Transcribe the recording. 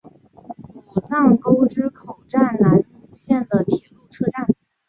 武藏沟之口站南武线的铁路车站。